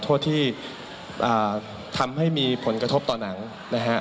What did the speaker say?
โทษที่ทำให้มีผลกระทบต่อหนังนะฮะ